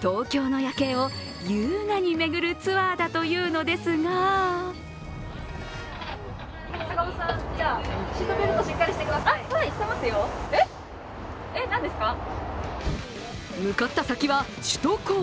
東京の夜景を優雅に巡るツアーだというのですが向かった先は首都高。